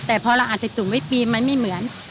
แต่พอเราอาจจะจุ่มไว้ปีนมันไม่เหมือน